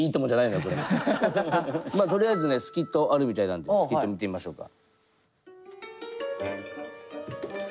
まあとりあえずねスキットあるみたいなんでスキット見てみましょうか。